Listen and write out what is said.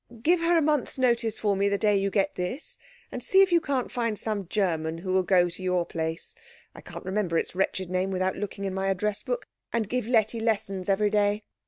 Give her a month's notice for me the day you get this, and see if you can't find some German who will go to your place I can't remember its wretched name without looking in my address book and give Letty lessons every day.